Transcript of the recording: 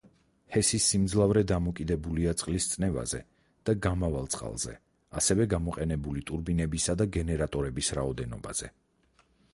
ჰესის სიმძლავრე დამოკიდებულია წყლის წნევაზე და გამავალ წყალზე, ასევე გამოყენებული ტურბინების და გენერატორების რაოდენობაზე.